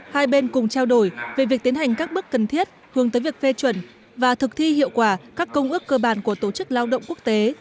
hai bên cùng trao đổi về việc tiến hành các bước cần thiết hướng tới việc phê chuẩn và thực thi hiệu quả các công ước cơ bản của tổ chức lao động quốc tế